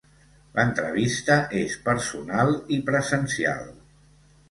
L'entrevista és personal i presencial.